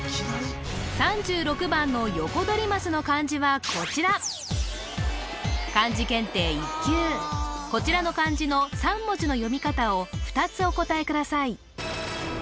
３６番のヨコドリマスの漢字はこちらこちらの漢字の３文字の読み方を２つお答えください